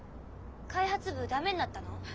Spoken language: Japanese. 開発部駄目になったの？